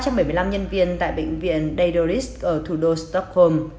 ba trăm bảy mươi năm nhân viên tại bệnh viện daedalus ở thủ đô stockholm